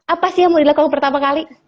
apa sih yang mau dilakukan pertama kali